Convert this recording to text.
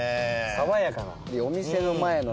爽やかな。